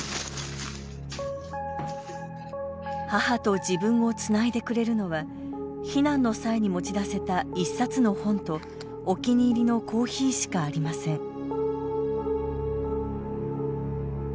母と自分をつないでくれるのは避難の際に持ち出せた１冊の本とお気に入りのコーヒーしかありません。